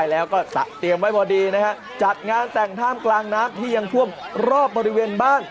แล้วก็เตรียมไว้พอดีนะฮะจัดงานแต่งท่ามกลางน้ำที่ยังท่วมรอบบริเวณบ้าน